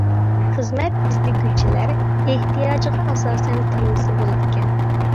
خىزمەت ئىزدىگۈچىلەر ئېھتىياجىغا ئاساسەن تاللىسا بولىدىكەن.